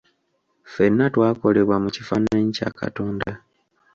Fenna twakolebwa mu kifaananyi kya Katonda.